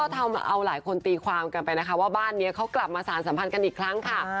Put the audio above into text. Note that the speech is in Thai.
ทำเอาหลายคนตีความกันไปนะคะว่าบ้านนี้เขากลับมาสารสัมพันธ์กันอีกครั้งค่ะ